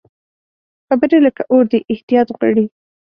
خبرې لکه اور دي، احتیاط غواړي